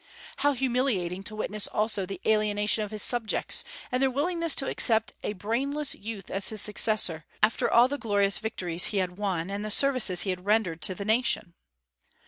How humiliating to witness also the alienation of his subjects, and their willingness to accept a brainless youth as his successor, after all the glorious victories he had won, and the services he had rendered to the nation!